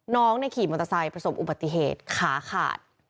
น้องขี่มอเตอร์ไซค์ประสบอุบัติเหตุขาขาด